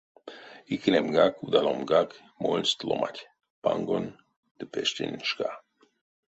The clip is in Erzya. Икелемгак, удаломгак мольсть ломанть — пангонь ды пештень шка.